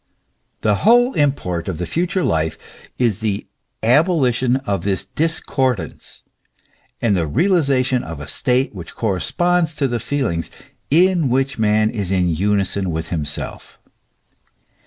The whole import of the future life is the abolition of this discordance,, and the real ization of a state which corresponds to the feelings, in which man is in unison with himself.